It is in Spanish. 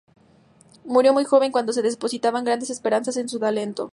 Murió muy joven, cuando se depositaban grandes esperanzas en su talento.